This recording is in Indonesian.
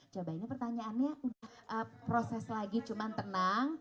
cobanya pertanyaannya proses lagi cuman tenang